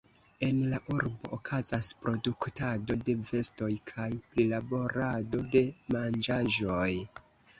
En la urbo okazas produktado de vestoj kaj prilaborado de manĝaĵoj.